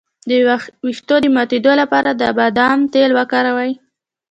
د ویښتو د ماتیدو لپاره د بادام تېل وکاروئ